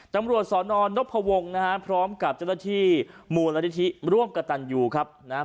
ตำรวจสลต์นอนนกพวงนะฮะพร้อมกับเจ้าหน้าที่หมู่มาได้ทีร่วมกับตันอยู่ครับนะนะฮะ